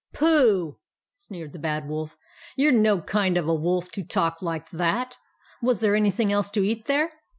" Pooh !" sneered the Bad Wolf. " You re no kind of a Wolf to talk like that. Was there anything else to eat there